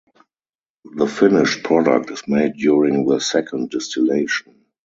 The finished product is made during the second distillation.